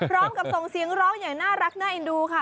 ส่งเสียงร้องอย่างน่ารักน่าเอ็นดูค่ะ